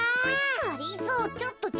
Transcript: がりぞーちょっとじゃま。